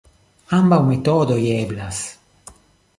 Ambaŭ metodoj eblas.